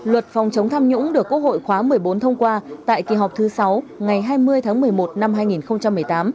luật phòng chống tham nhũng được quốc hội khóa một mươi bốn thông qua tại kỳ họp thứ sáu ngày hai mươi tháng một mươi một năm hai nghìn một mươi tám